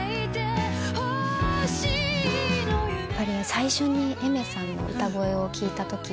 最初にＡｉｍｅｒさんの歌声を聴いたときに。